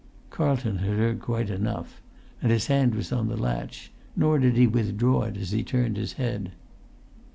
[Pg 199]Carlton had heard quite enough, and his hand was on the latch, nor did he withdraw it as he turned his head.